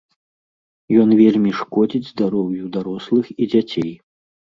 Ён вельмі шкодзіць здароўю дарослых і дзяцей.